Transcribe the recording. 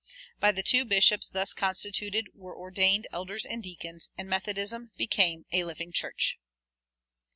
By the two bishops thus constituted were ordained elders and deacons, and Methodism became a living church.